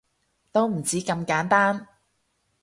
都唔止咁簡單